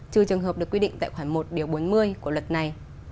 trừ trường hợp được quy định tại khoản một điều bốn mươi của luật này